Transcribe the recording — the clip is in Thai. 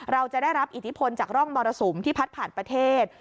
เราจะได้รับอิทธิพลจากร่องมรสุมที่พัดผ่านประเทศ